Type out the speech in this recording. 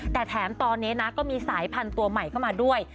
แต่แถมตอนนี้นะก็มีสายพันธุ์ตัวใหม่เข้ามาด้วย